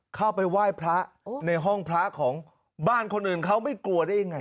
เข้าไปไหว้พระในห้องพระของบ้านคนอื่นเขาไม่กลัวได้ยังไง